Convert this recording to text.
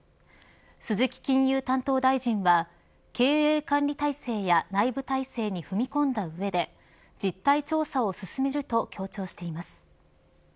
鈴木金融担当大臣は経営管理体制や内部体制に踏み込んだ上で実態調査を進めると強調しています。